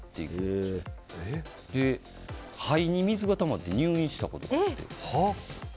で、肺に水が溜まって入院したことがあって。